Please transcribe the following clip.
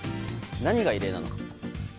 何が異例なのか。